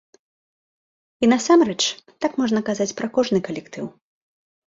І, насамрэч, так можна казаць пра кожны калектыў.